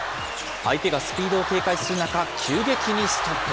相手がスピードを警戒する中、急激にストップ。